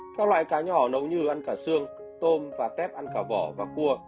các loại cá nhỏ nấu như ăn cả xương tôm và tép ăn cả vỏ và cua